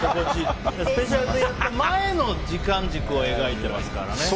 スペシャルでやった前の時間軸を描いてますからね。